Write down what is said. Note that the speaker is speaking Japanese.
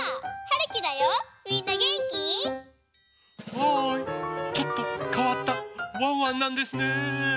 ハイちょっとかわったワンワンなんですね。